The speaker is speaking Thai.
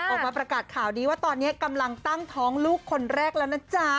ออกมาประกาศข่าวดีว่าตอนนี้กำลังตั้งท้องลูกคนแรกแล้วนะจ๊ะ